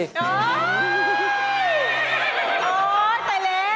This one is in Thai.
โอ๊ยตายแล้ว